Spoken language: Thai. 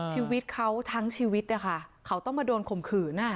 ชีวิตเขาทั้งชีวิตนะคะเขาต้องมาโดนข่มขืน